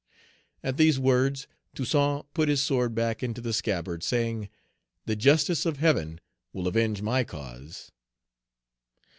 At these words, Toussaint put his sword back into the scabbard, saying, "The justice of Heaven will avenge my cause."